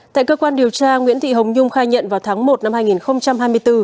tại cơ quan điều tra nguyễn thị hồng nhung khai nhận vào tháng một năm hai nghìn hai mươi bốn